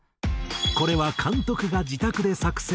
これは監督が自宅で作成し。